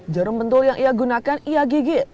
jarum pentul yang ia gunakan ia gigit